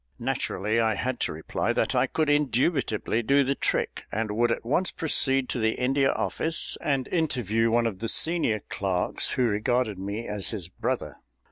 Naturally I had to reply that I could indubitably do the trick, and would at once proceed to the India Office and interview one of the senior clerks who regarded me as his brother.